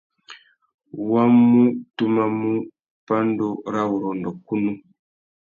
Wa mú tumamú pandúrâwurrôndô kunú.